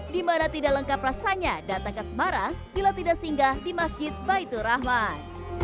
di mana tidak lengkap rasanya datang ke semarang bila tidak singgah di masjid baitur rahman